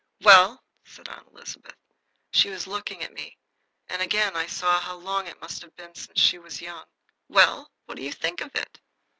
"Well?" said Aunt Elizabeth. She was looking at me, and again I saw how long it must have been since she was young. "Well, what do you think of it?"